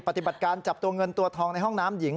ปฏิบัติการจับตัวเงินตัวทองในห้องน้ำหญิง